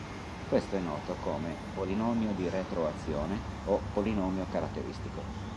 Questo è noto come "polinomio di retroazione "o "polinomio caratteristico".